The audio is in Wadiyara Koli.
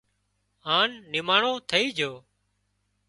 هانَ نماڻو ٿئي جھو